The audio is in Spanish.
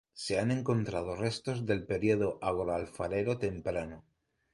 Se han encontrado restos del periodo agroalfarero temprano.